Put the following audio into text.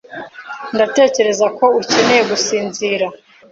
Ndatekereza ko ukeneye gusinzira.